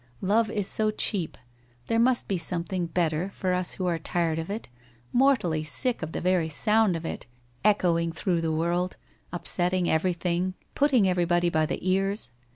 Love is so cheap. There must be something better, for us who are tired of it — mortally sick of the very sound of it, echoing through the world, upsetting everything, putting everybody by the cars!